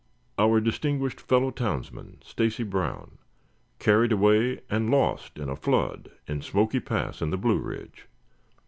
'Our distinguished fellow townsman, Stacy Brown, carried away and lost in a flood in Smoky Pass in the Blue Ridge.'